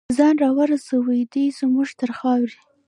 ځان راورسوي دی زمونږ تر خاورې